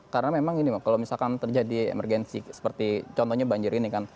karena memang gini kalau misalkan terjadi emergensi seperti contohnya banjir ini kan